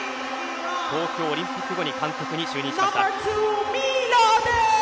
東京オリンピック後に監督に就任しました。